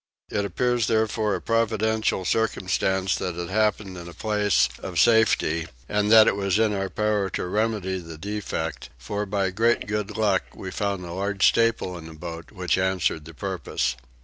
It appears therefore a providential circumstance that it happened in a place of safety, and that it was in our power to remedy the defect; for by great good luck we found a large staple in the boat, which answered the purpose.